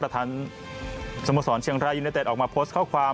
ท่านสมสรเชียงรายยูเนเต็ดออกมาโพสต์ข้อความ